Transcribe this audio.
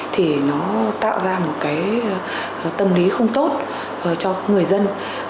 thì nó tạo ra một cái tâm lý không tốt cho người dân